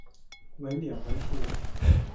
ไว้เหลี่ยมไว้คู